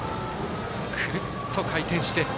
くるっと回転して。